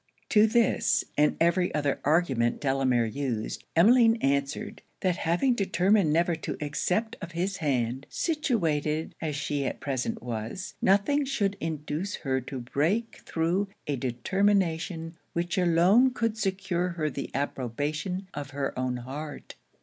To this, and every other argument Delamere used, Emmeline answered, 'that having determined never to accept of his hand, situated as she at present was, nothing should induce her to break through a determination which alone could secure her the approbation of her own heart.'